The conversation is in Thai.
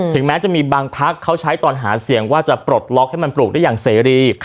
แม้จะมีบางพักเขาใช้ตอนหาเสียงว่าจะปลดล็อกให้มันปลูกได้อย่างเสรี